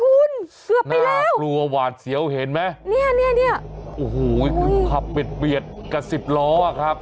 คุณเกือบไปแล้วหน้ากลัวหวานเห็น้าเหมือนเงี้ยอู้หูกลับเปีดเปียดกระสิบล้อครับ